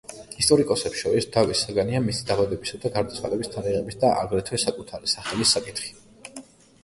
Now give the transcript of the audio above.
ისტორიკოსებს შორის დავის საგანია მისი დაბადებისა და გარდაცვალების თარიღების და აგრეთვე საკუთარი სახელის საკითხი.